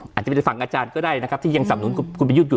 อาจจะเป็นฝั่งอาจารย์ก็ได้นะครับที่ยังสับหนุนคุณประยุทธ์อยู่